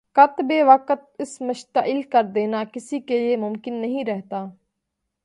قت بے وقت اسے مشتعل کر دینا کسی کے لیے ممکن نہیں رہتا